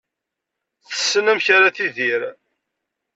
Tessen amek ara tidir.